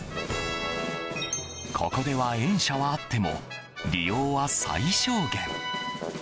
ここでは園舎はあっても利用は最小限。